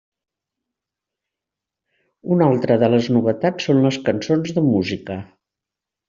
Una altra de les novetats són les cançons de música.